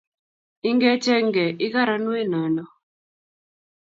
ingechenge lkaron wei nono .